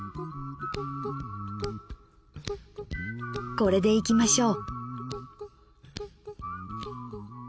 これでいきましょう。